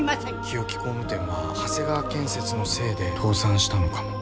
日置工務店は長谷川建設のせいで倒産したのかも。